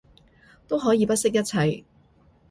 都可以不惜一切